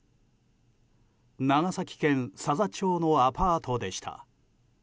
長崎県佐々町のアパートでした。